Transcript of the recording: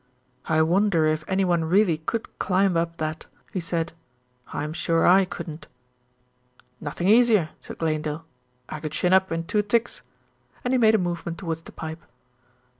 "I wonder if anyone really could climb up that," he said. "I'm sure I couldn't." "Nothing easier," said Glanedale. "I could shin up in two ticks," and he made a movement towards the pipe.